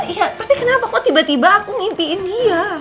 iya tapi kenapa kok tiba tiba aku mimpiin dia